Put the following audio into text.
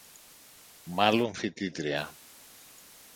Μάλλον φοιτήτρια